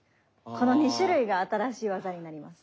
この２種類が新しい技になります。